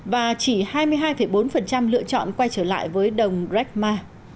và chỉ hai mươi hai bốn lựa chọn quay trở lại với đồng brakma